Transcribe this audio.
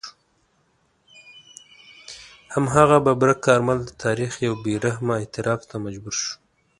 هماغه ببرک کارمل د تاریخ یو بې رحمه اعتراف ته مجبور شو.